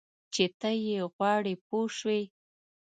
چې ته یې غواړې پوه شوې!.